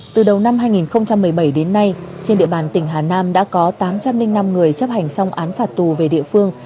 từ đầu năm hai nghìn một mươi bảy đến nay trên địa bàn tỉnh hà nam đã có tám trăm linh năm người chấp hành xong án phạt tù về địa phương